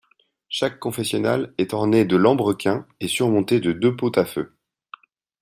Chaque confessionnal est orné de lambrequins et surmonté de deux pots à feu.